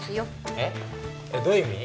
えっどういう意味？